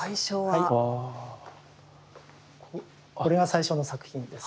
これが最初の作品です。